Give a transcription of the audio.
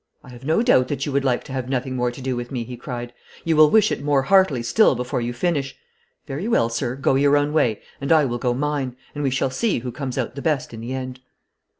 'I have no doubt that you would like to have nothing more to do with me,' he cried. 'You will wish it more heartily still before you finish. Very well, sir, go your own way and I will go mine, and we shall see who comes out the best in the end.'